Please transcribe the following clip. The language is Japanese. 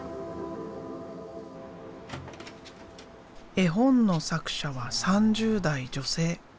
絵本の作者は３０代女性。